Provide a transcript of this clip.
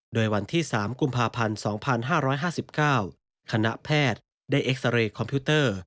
โดยวันที่สามกุมภาพันธ์สองพันห้าร้อยห้าสิบเก้าคณะแพทย์ได้เอ็กซาเรย์คอมพิวเตอร์